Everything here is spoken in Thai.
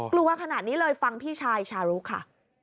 กลัวขนาดนี้เลยฟังพี่ชายชารุค่ะ